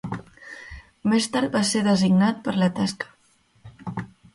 Més tard va ser designat per a la tasca.